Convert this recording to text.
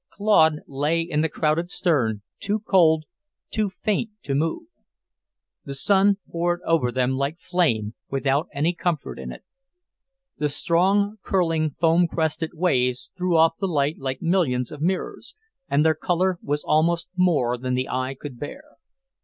Claude lay in the crowded stern, too cold, too faint to move. The sun poured over them like flame, without any comfort in it. The strong, curling, foam crested waves threw off the light like millions of mirrors, and their colour was almost more than the eye could bear.